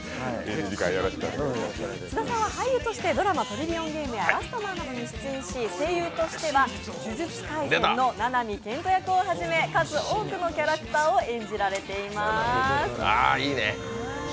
津田さんは俳優としてドラマ「トリリオンゲーム」や「ラストマン」に出演され、声優としては「呪術廻戦」の七海建人役をはじめ数多くのキャラクターを演じられています。